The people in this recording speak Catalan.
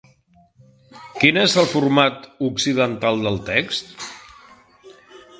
Quin és el format occidental del text?